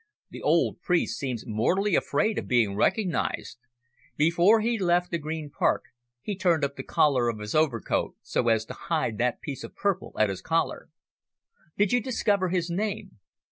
The old priest seems mortally afraid of being recognised. Before he left the Green Park he turned up the collar of his overcoat so as to hide that piece of purple at his collar." "Did you discover his name?"